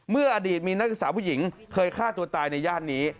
อดีตมีนักศึกษาผู้หญิงเคยฆ่าตัวตายในย่านนี้